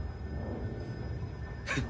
フッ！